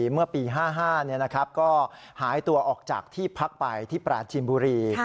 เมื่อปี๕๕ก็หายตัวออกจากที่พักไปที่ปราจีนบุรี